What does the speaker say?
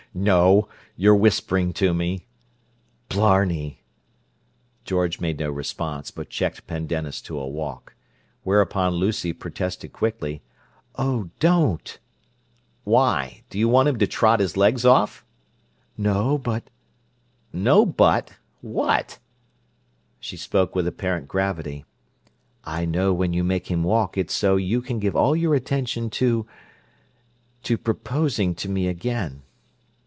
"No. Your whispering to me." "Blarney!" George made no response, but checked Pendennis to a walk. Whereupon Lucy protested quickly: "Oh, don't!" "Why? Do you want him to trot his legs off?" "No, but—" "'No, but'—what?" She spoke with apparent gravity: "I know when you make him walk it's so you can give all your attention to—to proposing to me again!"